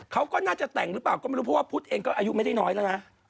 เขาก็น่าจะแต่งหรือเปล่าก็ไม่รู้เพราะว่าพุทธเองก็อายุไม่ได้น้อยแล้วนะ